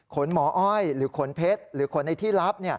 หมออ้อยหรือขนเพชรหรือขนในที่ลับ